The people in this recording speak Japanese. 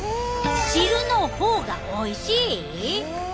汁のほうがおいしい！？